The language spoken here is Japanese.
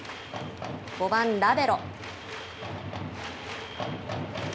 ５番ラベロ。